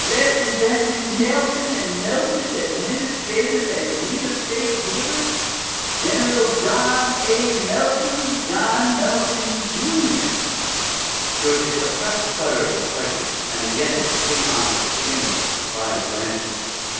"'Representing Melton and Melton, Administrators and Real Estate Dealers. General John A. Melton. John Melton, Jr.'" There was a suppressed flutter of excitement and again the three aunts exchanged surprised glances.